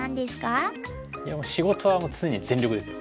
いや仕事はもう常に全力ですよ。